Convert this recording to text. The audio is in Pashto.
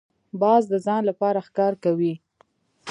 باز د ځان لپاره ښکار کوي